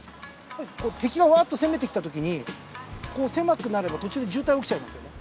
敵がワーッと攻めてきた時にこう狭くなれば途中で渋滞が起きちゃいますよね。